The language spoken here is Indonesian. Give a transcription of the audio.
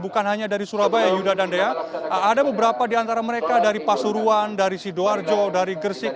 bukan hanya dari surabaya yuda dan dea ada beberapa di antara mereka dari pasuruan dari sidoarjo dari gersik